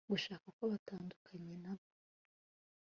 gushaka kwa batandukanye nabo